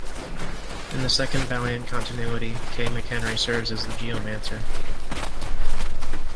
In the second Valiant continuity, Kay McHenry serves as the Geomancer.